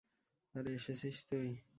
আরে, এসেছিস তুই?